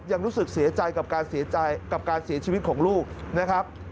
ยังรู้สึกเสียใจกับการเสียชีวิตของลูกนะครับ